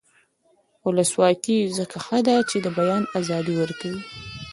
ولسواکي ځکه ښه ده چې د بیان ازادي ورکوي.